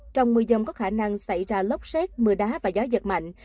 trong mưa dông có khả năng xảy ra lốc xét mưa đá và gió giật mạnh